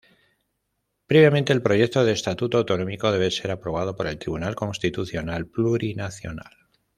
Previamente el proyecto de estatuto autonómico debe ser aprobado por el Tribunal Constitucional Plurinacional.